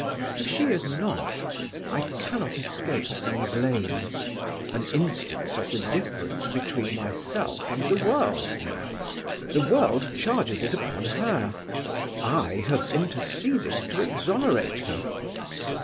If she is not, I cannot escape some blame. An instance of the difference between myself and the world, now. The world charges it upon her. I have interceded to exonerate her."